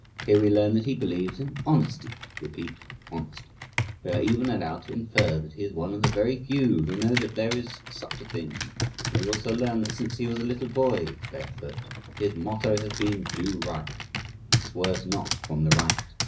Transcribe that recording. Here we learn that he believes in honesty (repeat "honesty"); we are even allowed to infer that he is one of the very few who know that there is such a thing; and we also learn that since he was a little boy (barefoot) his motto has been "Do Right," he swerves not from the right!